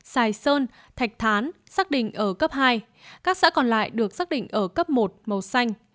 sài sơn thạch thán xác định ở cấp hai các xã còn lại được xác định ở cấp một màu xanh